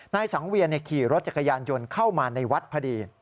นายสังเวียนขี่รถจักรยานยนต์เข้ามาในวัดพอดี